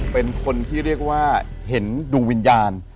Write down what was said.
เป็นคนที่เรียกว่าเห็นดวงวิญญาณ